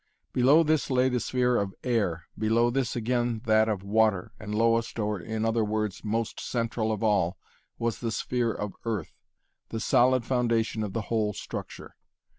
Below this lay the sphere of 'air', below this again that of 'water', and lowest or in other words, most central of all was the sphere of 'earth', the solid foundation of the whole structure.